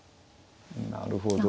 なるほど。